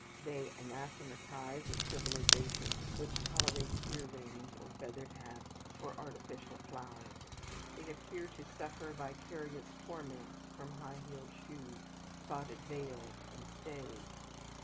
They anathematize a civilization which tolerates ear rings, or feathered hats, or artificial flowers. They appear to suffer vicarious torments from high heeled shoes, spotted veils, and stays.